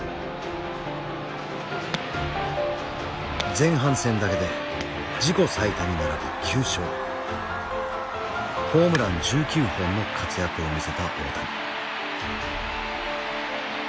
前半戦だけで自己最多に並ぶ９勝ホームラン１９本の活躍を見せた大谷。